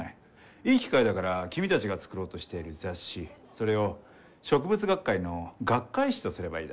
いい機会だから君たちが作ろうとしている雑誌それを植物学会の学会誌とすればいいだろう。